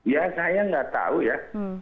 ya saya nggak tahu ya